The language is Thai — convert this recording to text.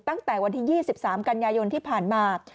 ตั้งแต่วันที่๒๓กันยายนที่ผ่านมา